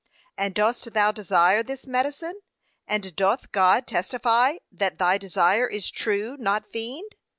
And dost thou desire this medicine? and doth God testify that thy desire is true, not feigned?